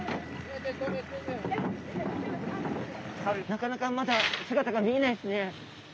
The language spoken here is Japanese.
なかなかまだ姿が見えないですね。